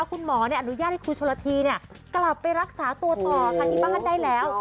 คุณหมออนุญาตให้ครูชนละทีกลับไปรักษาตัวต่อค่ะที่บ้านได้แล้ว